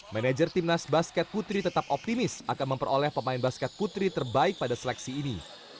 manajer timnas basket putri tetap optimis akan memperoleh pemain basket putri terbaik pada seleksi ini